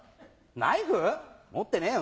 ナイフ？持ってねえよ。